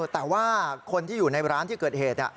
แต่ว่าคนที่อยู่ในร้านที่เกิดเหตุ